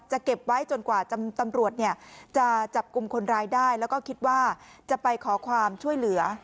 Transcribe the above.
เก็บไว้จนกว่าตำรวจจะจับกลุ่มคนร้ายได้แล้วก็คิดว่าจะไปขอความช่วยเหลือ